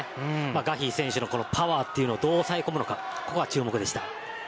ガヒー選手のパワーというのをどう押さえ込むのかが注目でした。